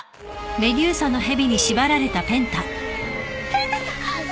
ペンタさん！